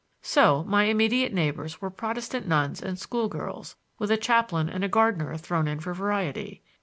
So my immediate neighbors were Protestant nuns and school girls, with a chaplain and gardener thrown in for variety.